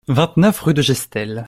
vingt-neuf rue de Gestel